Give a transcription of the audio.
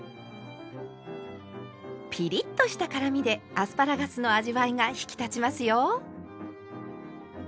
ピリッとした辛みでアスパラガスの味わいが引き立ちますよ。